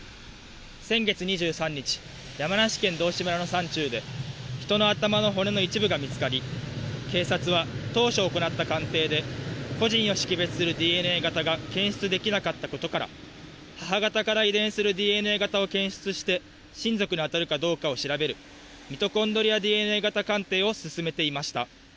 先月２３日、山梨県道志村の山中で、人の頭の骨の一部が見つかり、警察は当初行った鑑定で、個人を識別するＤＮＡ型が検出できなかったことから、母方から遺伝するＤＮＡ型を検出して親族に当たるかどうかを調べる、ミトコンドリアＤＮＡ型鑑定を進めていました。